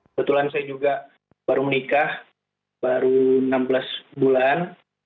kebetulan saya juga baru menikah baru enam belas bulan